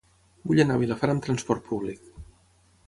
Vull anar a Vilafant amb trasport públic.